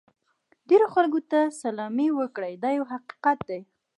ډېرو خلکو ته سلامي وکړئ دا یو حقیقت دی.